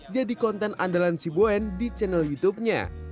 jadi konten andalan sibuen di channel youtubenya